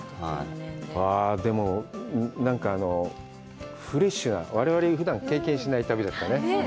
でも、なんかフレッシュな、我々がふだん経験しない旅だったね。